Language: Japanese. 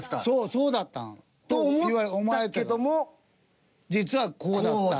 そうだったの。と思ったけども実はこうだった。